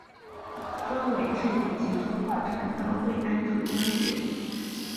庄伟忠以及中华传道会安柱中学。